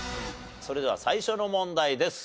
それでは最初の問題です。